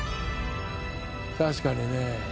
確かにね。